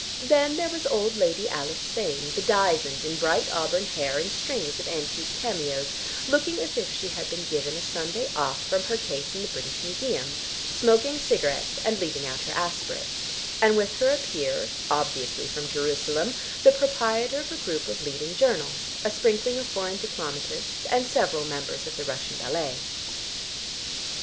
Then there was old Lady Alice Fane bedizened in bright auburn hair and strings of antique cameos, looking as if she had been given a Sunday off from her case in the British Museum, smoking cigarettes and leaving out her aspirates, and with her a peer, obviously from Jerusalem, the proprietor of a group of leading journals, a sprinkling of foreign diplomatists, and several members of the Russian ballet.